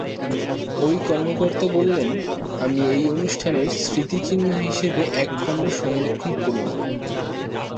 ওই কর্মকর্তা বলেন, "আমি এই অনুষ্ঠানের স্মৃতিচিহ্ন হিসেবে এক খণ্ড সংরক্ষণ করব।"